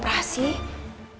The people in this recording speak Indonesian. perasaan jangan ngabarin citizens